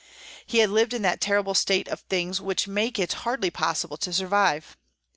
He had lived in that terrible state of things which make it hardly possible to survive.